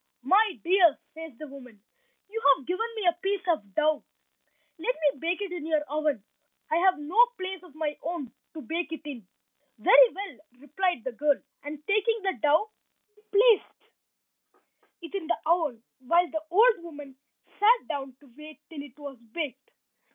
"My dear," says the woman, "you have given me a piece of dough, let me bake it in your oven, for I have no place of my own to bake it in." "Very well," replied the girl, and, taking the dough, she placed it in the oven, while the old woman sat down to wait till it was baked.